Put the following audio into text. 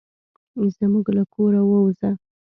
زموږ له کوره ووزه.